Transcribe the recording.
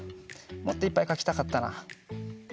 もっといっぱいかきたかったな。